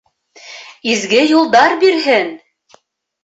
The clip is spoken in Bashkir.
Изге юлдар бирһен!